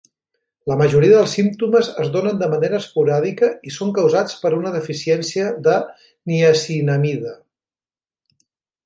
La majoria dels símptomes es donen de manera esporàdica i són causats per una deficiència de niacinamida.